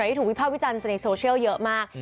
ที่ถูกวิภาควิจารณ์ในโซเชียลเยอะมาก